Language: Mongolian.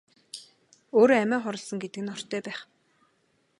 Өөрөө амиа хорлосон гэдэг нь ортой байх.